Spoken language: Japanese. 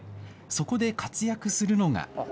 そこで活躍するのが。